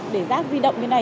để rác di động như này